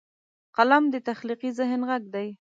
قلم د تخلیقي ذهن غږ دی